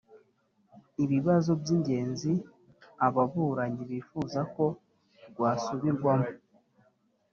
ibibazo by’ingenzi ababuranyi bifuza ko rwasubirwamo